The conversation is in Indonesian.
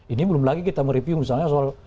ini belum lagi kita mereview misalnya soal